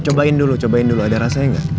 cobain dulu cobain dulu ada rasanya nggak